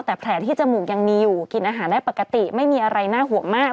แต่แผลที่จมูกยังมีอยู่กินอาหารได้ปกติไม่มีอะไรน่าห่วงมาก